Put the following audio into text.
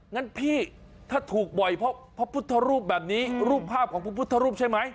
งั้นพี่ถ้าถูกบ่อยเพราะพระพุทธรูปแบบนี้รูปภาพของพระพุทธรูปใช่ไหม